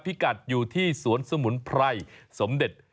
พิกัดอยู่ที่สวนสมุนไพรสมเด็จ